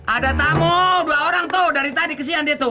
ada tamu dua orang tuh dari tadi kesian dia tuh